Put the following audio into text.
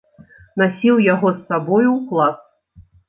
Насіў яго з сабою ў клас.